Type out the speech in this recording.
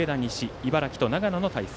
茨城と長野の対戦。